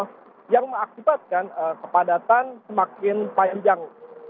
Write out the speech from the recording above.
sehingga laju kendaraan yang terjadi di ruas tol cipali ini semakin panjang